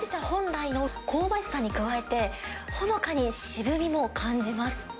本来の香ばしさに加えて、ほのかに渋みも感じます。